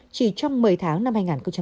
chỉ trong một mươi tháng năm hai nghìn hai mươi